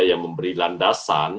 yang memberi landasan